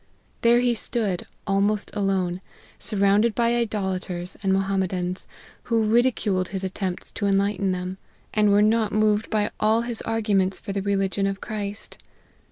There he stood almost alone, surrounded by idolaters and Mohammedans, who ridiculed his attempts to enlighten them ; and were not moved by all his arguments for the religion of Christ.